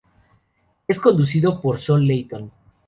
Es conducido por Sol Leyton.